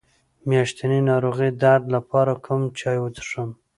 د میاشتنۍ ناروغۍ درد لپاره کوم چای وڅښم؟